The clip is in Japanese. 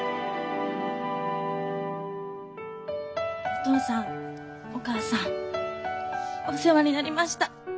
お父さんお母さんお世話になりました。